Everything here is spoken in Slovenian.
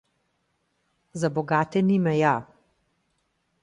Za bogate ni meja.